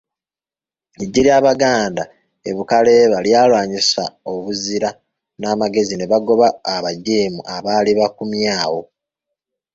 Eggye ly'Abaganda e Bukaleeba lyalwanyisa obuzira n'amagezi ne bagoba abajeemu abaali bakumye awo.